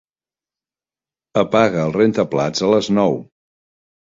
Apaga el rentaplats a les nou.